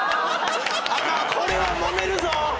アカンこれはもめるぞ！